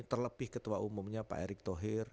terlebih ketua umumnya pak erick thohir